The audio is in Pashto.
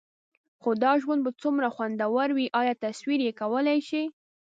خو دا ژوند به څومره خوندور وي؟ ایا تصور یې کولای شئ؟